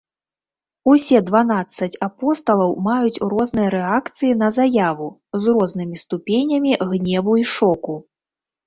Усе дванаццаць апосталаў маюць розныя рэакцыі на заяву, з рознымі ступенямі гневу і шоку.